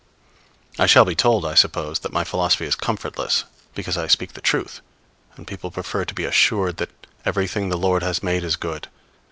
I shall be told, I suppose, that my philosophy is comfortless because I speak the truth; and people prefer to be assured that everything the Lord has made is good.